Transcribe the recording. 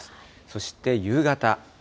そして夕方。